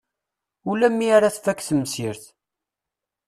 Ula mi ara tfak temsirt.